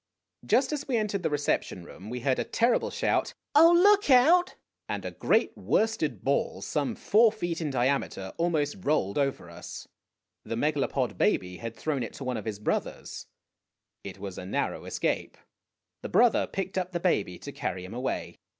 Just as we entered the reception room we heard a terrible shout, "Oh, look out!" and a great worsted ball, some four feet GOOD NEIGHBORS 199 in diameter, almost rolled over us. The Megalopod baby had thrown it to one of his brothers. It was a narrow escape. The brother picked up the baby to carry him away.